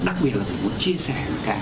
đặc biệt là chúng tôi muốn chia sẻ